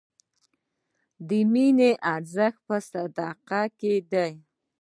د مینې ارزښت په صداقت کې دی.